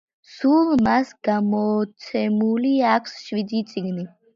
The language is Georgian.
სულ მას გამოცემული აქვს შვიდი წიგნი.